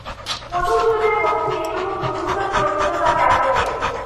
মধুসূদনের মধ্যে যেটুকু প্রভুত্বের জোর ছিল তা গেল উড়ে।